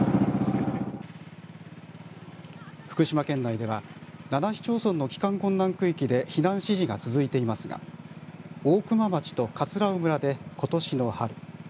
福島県内では７市町村の帰還困難区域で避難指示が続いていますが大熊町と葛尾村で今年の春。